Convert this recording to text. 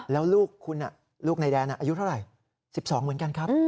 แล้วลูกคุณลูกในแดนอายุเท่าไหร่๑๒เหมือนกันครับ